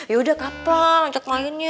ya udah kapan ngecek mainnya